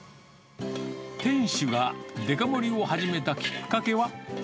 店主がデカ盛りを始めたきっかけは。